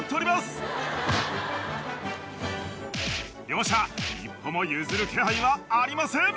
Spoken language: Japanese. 両者一歩も譲る気配はありません！